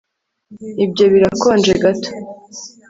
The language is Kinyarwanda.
Ibyo birakonje gato